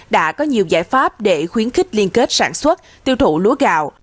đã có nhiều giải pháp để khuyến khích liên kết sản xuất tiêu thụ lúa gạo